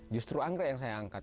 justru anggrek yang saya angkat